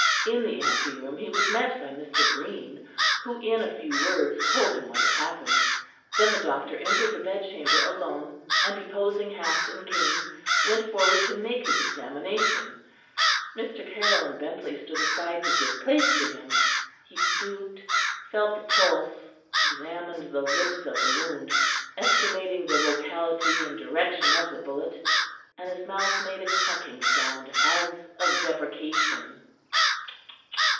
In the ante room he was met by Mr. Green, who in in a few words told him what had happened. Then the doctor entered the bedchamber alone, and deposing hat and cane, went forward to make his examination. Mr. Caryll and Bentley stood aside to give place to him. He stooped, felt the pulse, examined the lips of the wound, estimating the locality and direction of the bullet, and his mouth made a clucking sound as of deprecation.